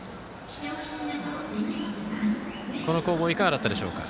この攻防いかがだったでしょうか。